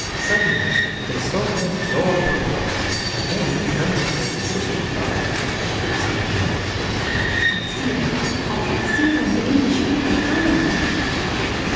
Suddenly they saw her throw up her arms, and then, turning towards the city, she cried, as she perceived the English knight: "I see them! I see them! The English fleet are coming!"